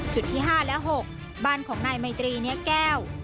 จุดที่๕และ๖บ้านของนายไมตรีเนื้อแก้ว